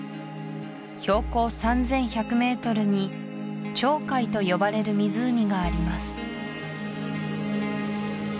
標高３１００ｍに長海とよばれる湖があります